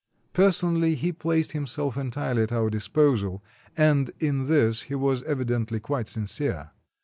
Personally, he placed himself entirely at our disposal, and in this he was evidently quite sincere.